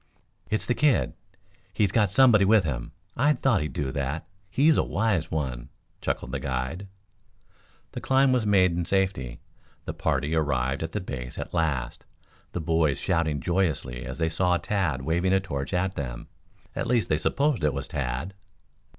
"It's the kid. He's got somebody with him. I thought he'd do that. He's a wise one," chuckled the guide. The climb was made in safety. The party ar rived at the base at last, the boys shouting joyously as they saw Tad waving a torch at them. At least they supposed it was Tad.